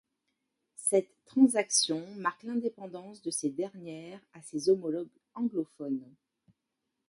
Cette transaction marque l'indépendance de ses dernières à ses homologues anglophones.